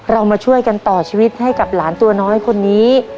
เรามาช่วยกันต่อชีวิตให้กับหลานตัวน้อยคนนี้